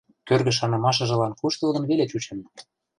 Кӧргӹ шанымашыжылан куштылгын веле чучын.